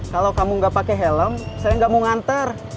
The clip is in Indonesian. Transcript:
kalau kamu gak pake helm saya gak mau nganter